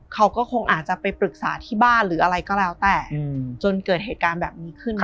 เขาก็คงอาจจะไปปรึกษาที่บ้านหรืออะไรก็แล้วแต่จนเกิดเหตุการณ์แบบนี้ขึ้น